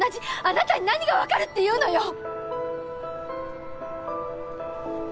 あなたに何がわかるっていうのよ！？